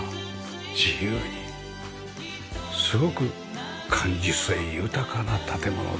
自由にすごく感受性豊かな建物です。